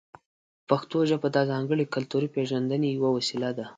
پښتو ژبه د ځانګړې کلتوري پېژندنې یوه وسیله ده.